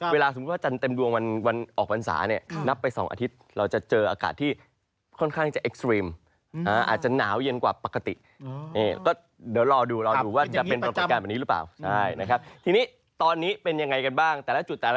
ทีนี้ตอนนี้เป็นยังไงกันบ้างแต่ละจุดแต่ละพื้นที่นะครับ